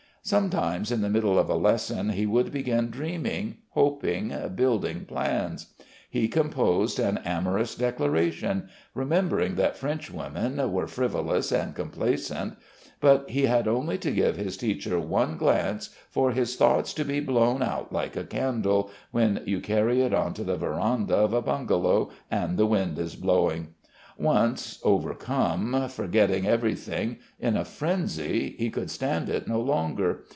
Sometimes in the middle of a lesson he would begin dreaming, hoping, building plans; he composed an amorous declaration, remembering that Frenchwomen were frivolous and complaisant, but he had only to give his teacher one glance for his thoughts to be blown out like a candle, when you carry it on to the verandah of a bungalow and the wind is blowing. Once, overcome, forgetting everything, in a frenzy, he could stand it no longer.